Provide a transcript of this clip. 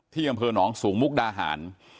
ที่กำเภอน้องสูงมุกดาหาร